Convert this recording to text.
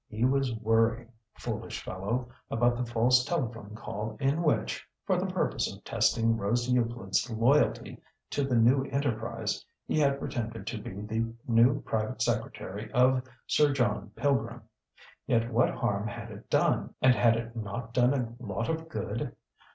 He was worrying, foolish fellow, about the false telephone call in which, for the purpose of testing Rose Euclid's loyalty to the new enterprise, he had pretended to be the new private secretary of Sir John Pilgrim. Yet what harm had it done? And had it not done a lot of good?